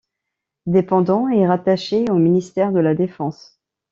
Dépendant et rattaché au ministère de la défense.